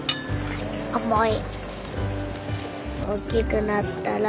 重い。